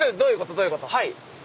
どういうこと？